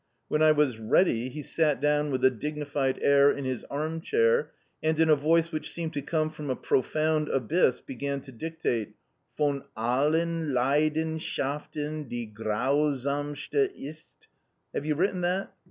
When I was ready he sat down with a dignified air in his arm chair, and in a voice which seemed to come from a profound abyss began to dictate: "Von al len Lei den shaf ten die grau samste ist. Have you written that?"